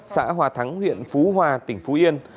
xã hòa thắng huyện phú hòa tỉnh phú yên